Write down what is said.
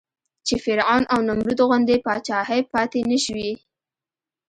چې فرعون او نمرود غوندې پاچاهۍ پاتې نه شوې.